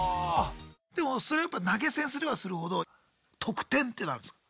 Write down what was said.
でもそれやっぱ投げ銭すればするほど特典っていうのあるんですか？